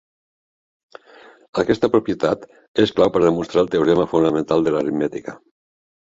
Aquesta propietat és clau per demostrar el teorema fonamental de l'aritmètica.